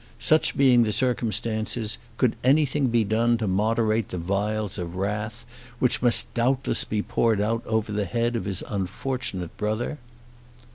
Such being the circumstances, could anything be done to moderate the vials of wrath which must doubtless be poured out over the head of his unfortunate brother?